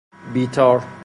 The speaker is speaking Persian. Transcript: بی تار